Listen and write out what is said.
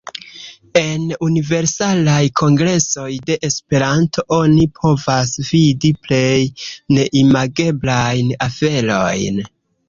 En Universalaj Kongresoj de Esperanto oni povas vidi plej neimageblajn aferojn.